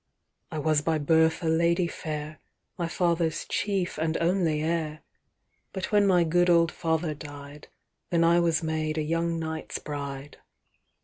III was by birth a lady fair, My father's chief and only heir; But when my good old father died, Then I was made a young knight's bride.